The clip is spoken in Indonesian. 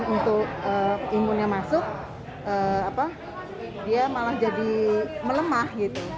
untuk imunnya masuk dia malah jadi melemah